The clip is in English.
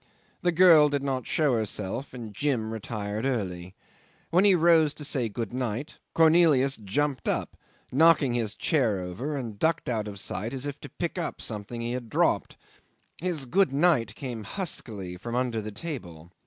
The girl did not show herself, and Jim retired early. When he rose to say good night, Cornelius jumped up, knocking his chair over, and ducked out of sight as if to pick up something he had dropped. His good night came huskily from under the table.